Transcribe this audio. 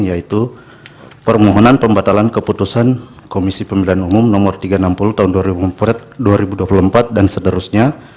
yaitu permohonan pembatalan keputusan komisi pemilihan umum no tiga ratus enam puluh tahun dua ribu dua puluh empat dan seterusnya